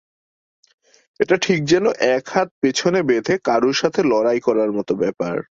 এটা ঠিক যেন এক হাত পিছোনে বেঁধে কারুর সাথে লড়াই করার মতো ব্যপার।